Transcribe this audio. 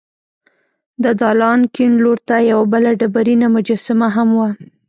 د دالان کیڼ لور ته یوه بله ډبرینه مجسمه هم وه.